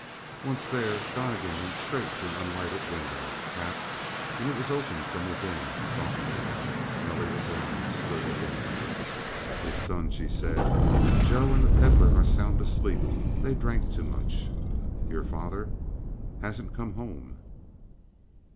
Once there, Donnegan went straight to an unlighted window, tapped; and it was opened from within, softly. Nelly Lebrun stood within. "It's done," she said. "Joe and the Pedlar are sound asleep. They drank too much." "Your father." "Hasn't come home."